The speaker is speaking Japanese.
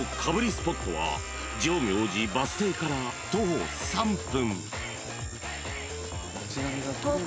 スポットは浄明寺バス停から徒歩３分］